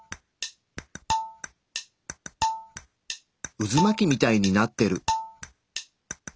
うず巻きみたいになってる！